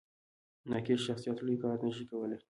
ناقص شخصیت لوی کار نه شي کولی.